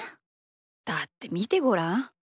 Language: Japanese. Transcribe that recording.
だってみてごらん。